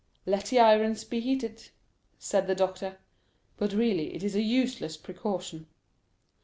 "Let the irons be heated," said the doctor; "but really it is a useless precaution."